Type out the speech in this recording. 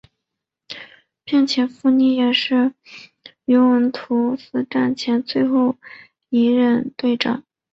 并且福尼也是尤文图斯战前最后一任队长。